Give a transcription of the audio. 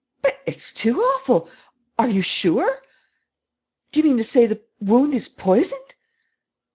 But it's too awful! Are you sure? Do you mean to say the wound is poisoned?"